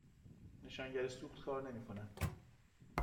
نشانگر سوخت کار نمی کند.